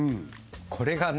これがね